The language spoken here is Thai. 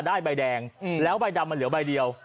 ได้ใบแดงแล้วใบดำมันเหลือใบเดียว